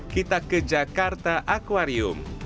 kita ke jakarta aquarium